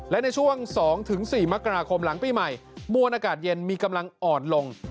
และในช่วง๒๔มกราคมหลังปีใหม่มวลอากาศเย็นมีกำลังอ่อนลง